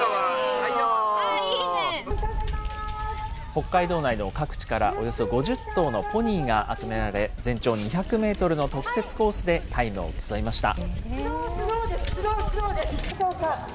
北海道内の各地からおよそ５０頭のポニーが集められ、全長２００メートルの特設コースでタイムを競いました。